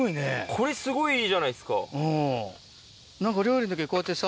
これすごいいいじゃないですか。